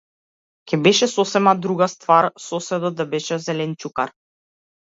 Ќе беше сосема друга ствар соседот да беше - зеленчукар.